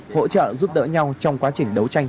hỗ trợ giúp đỡ nhau trong quá trình đấu tranh